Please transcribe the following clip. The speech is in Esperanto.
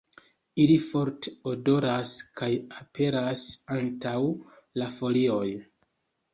Ili forte odoras kaj aperas antaŭ la folioj.